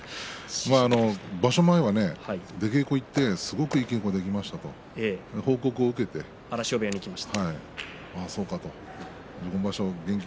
場所前は出稽古に行ってすごくいい稽古ができましたと荒汐部屋師匠部屋に行きました。